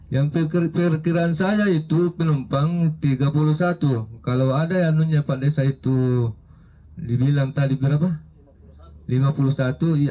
yang perkiraan saya itu penumpang tiga puluh satu kalau ada yang namanya pak desa itu dibilang tadi berapa